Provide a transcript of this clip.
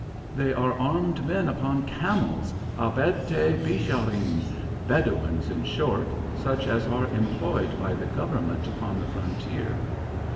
They are armed men upon camels, Ababdeh, Bishareen Bedouins, in short, such as are employed by the Government upon the frontier."